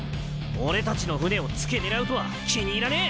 俺たちの船をつけ狙うとは気に入らねえ！